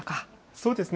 そうですね。